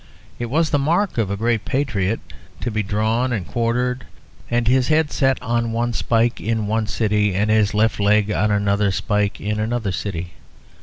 It was the mark of a great patriot to be drawn and quartered and his head set on one spike in one city and his left leg on another spike in another city.